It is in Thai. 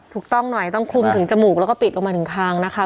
ถูกต้องหน่อยต้องคลุมถึงจมูกแล้วก็ปิดลงมาถึงคางนะคะ